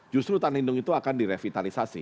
justru hutan lindung itu akan direvitalisasi